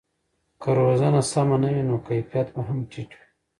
که روزنه سمه نه وي نو کیفیت به هم ټیټ وي.